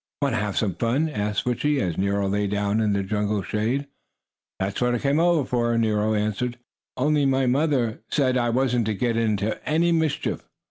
"Want to have some fun?" asked Switchie, as Nero lay down in the jungle shade. "That's what I came over for," Nero answered. "Only my mother said I wasn't to get into any mischief."